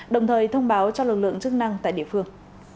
đồng thời thông báo cho lực lượng chức năng tại địa phương